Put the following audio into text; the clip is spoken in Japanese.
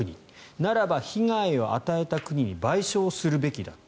ならば被害を与えた国に賠償するべきだ。